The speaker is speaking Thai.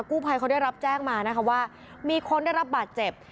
กู้ภัยเขาได้รับแจ้งมานะคะว่ามีคนได้รับบาดเจ็บ